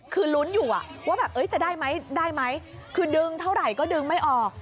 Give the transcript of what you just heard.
คือลุ้นอยู่ว่าแบบจะได้ไหมได้ไหมคือดึงเท่าไหร่ก็ดึงไม่ออก